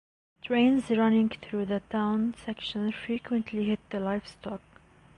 Trains running through the town section frequently hit the livestock.